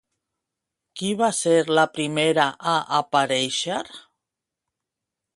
Qui va ser la primera a aparèixer?